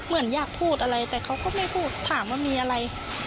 เหมือนอยากพูดอะไรแต่เขาก็ไม่พูดถามว่ามีอะไร